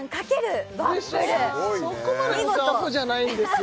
そこまで僕はアホじゃないんですよ